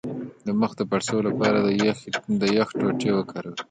د مخ د پړسوب لپاره د یخ ټوټې وکاروئ